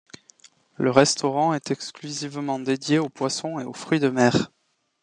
Le restaurant est exclusivement dédié au poisson et aux fruits de mer.